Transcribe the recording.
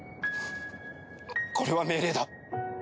これは命令だ！